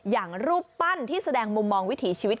รูปปั้นที่แสดงมุมมองวิถีชีวิต